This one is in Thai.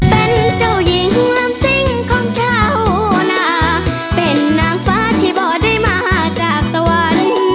เป็นเจ้าหญิงลำซิ่งของชาวนาเป็นนางฟ้าที่บ่ได้มาจากสวรรค์